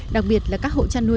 đặc biệt là các hộ chăn nuôi